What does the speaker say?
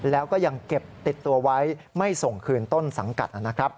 แล้วก็ยังเก็บติดตัวไว้ไม่ส่งคืนต้นสังกัดนะครับ